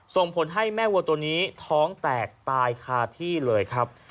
ส่งผลให้แม่วัวตัวนี้ท้องแตกตายคาที่เลยครับ